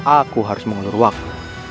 aku harus mengelur wakil